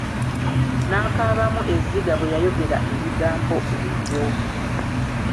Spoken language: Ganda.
N'akaabamu ezziga bwe yayogera ebigambo ebyo.